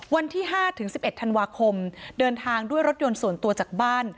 วันที่๕ถึง๑๑ธันวาคมเดินทางด้วยรถยนต์ส่วนตัวจากบ้าน